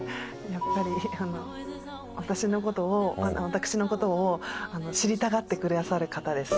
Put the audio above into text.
やっぱり私の事を私の事を知りたがってくださる方です。